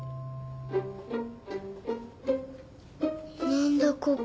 何だここ。